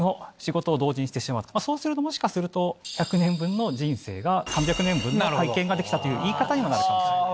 そうするともしかすると１００年分の人生が３００年分の体験ができたという言い方にはなるかもしれない。